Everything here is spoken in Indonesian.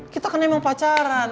kita kan emang pacaran